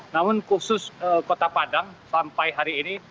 namun khusus kota padang sampai hari ini